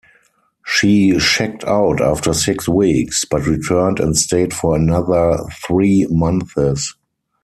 She checked out after six weeks, but returned and stayed for another three months.